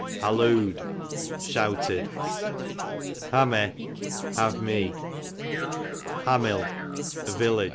Halloo'd, shouted. Hammeh, have me. Hammil, a village.